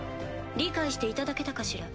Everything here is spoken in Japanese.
理解していただけたかしら？